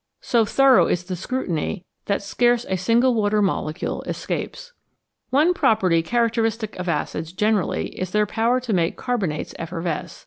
So 85 ACIDS AND ALKALIS thorough is the scrutiny that scarce a single water mole cule escapes. One property characteristic of acids generally is their power to make carbonates effervesce.